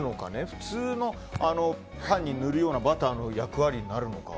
普通にパンに塗るようなバターの役割になるのか。